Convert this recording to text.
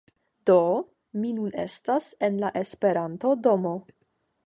Do mi nun estas en la Esperanto-domo